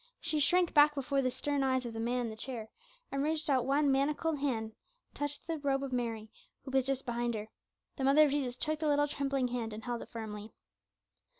She shrank back before the stern eyes of the man in the chair, and reaching out one manacled hand touched the robe of Mary, who was just behind her. The mother of Jesus took the little trembling hand and held it firmly.